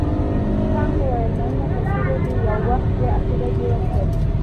کانت وویل مننه که چیرې دې یو وخت بیا عقیده جوړه شول.